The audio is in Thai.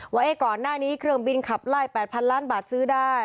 ว่าก่อนหน้านี้เครื่องบินขับไล่๘๐๐ล้านบาทซื้อได้